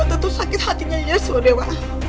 tentu sakit hatinya yes wodewa